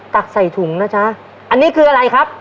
ตักใส่ถุงนะจ๊ะอันนี้คืออะไรครับ